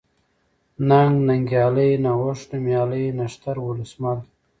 ننگ ، ننگيالی ، نوښت ، نوميالی ، نښتر ، ولسمل